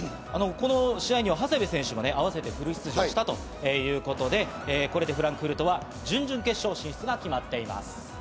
この試合には長谷部選手もあわせてフル出場したということで、これでフランクフルトは準々決勝進出が決まっています。